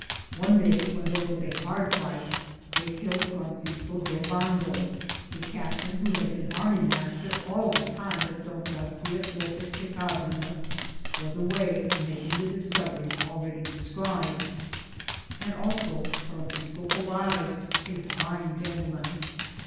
One day when there was a hard fight, they killed Francisco de Obando, a captain who had been army master all the time that Don Garcia Lopez de Cardenas was away making the discoveries already de scribed, and also Francisco Pobares, a fine gentleman.